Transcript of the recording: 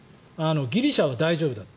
ギリシャは大丈夫だって。